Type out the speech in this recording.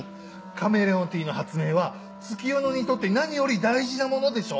カメレオンティーの発明は月夜野にとって何より大事なものでしょ？